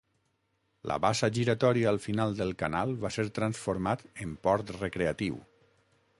La bassa giratòria al final del canal va ser transformat en port recreatiu.